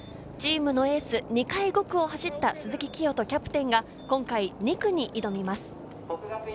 チームのエース、２回５区を走った鈴木聖人キャプテンが今回２区に挑みます。